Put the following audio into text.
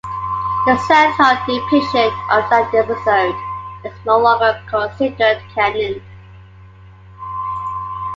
The San Ho depiction of that episode is no longer considered canon.